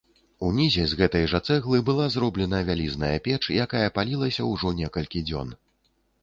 Унізе з гэтай жа цэглы была зроблена вялізная печ, якая палілася ўжо некалькі дзён.